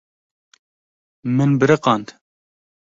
Min biriqand.